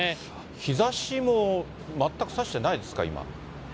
日ざしも全く差していないですか、今。